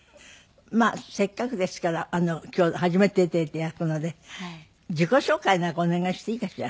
まあせっかくですから今日初めて出会ったので自己紹介なんかお願いしていいかしら？